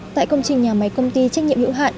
tại công trình nhà máy công ty trách nhiệm hữu hạn